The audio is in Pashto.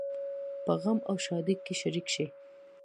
په غم او ښادۍ کې شریک شئ